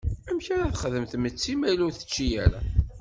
Amek ara texdem tmetti ma ur tečči ara?